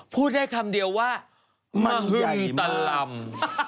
พูดได้คำเดียวว่ามหึงตลำ